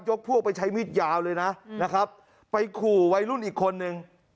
พวกไปใช้มีดยาวเลยนะนะครับไปขู่วัยรุ่นอีกคนนึง